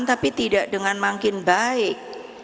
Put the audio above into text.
tapi tidak dengan makin baik